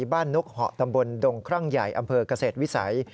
นกเหาะตำบลดงครั่งใหญ่อำเภอกเกษตรวิสัย